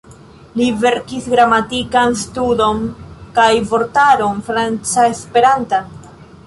Li verkis gramatikan studon kaj vortaron franca-esperanta.